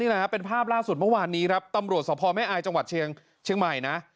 นะครับเป็นภาพล่าสุดเมื่อวานนี้ครับตำรวจสภแม่อายจังหวัดเชียงใหม่นะ